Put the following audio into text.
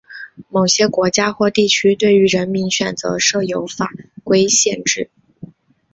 某些国家或地区对于人名选择设有法规限制。